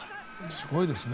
すごいですね。